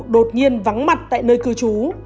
đột nhiên vắng mặt tại nơi cư trú